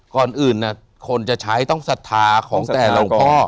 ก่อนอื่นคนจะใช้ต้องศรัทธาของแต่หลวงพ่อ